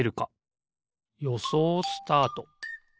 よそうスタート！